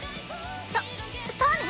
そそうね。